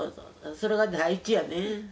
それが第一やね。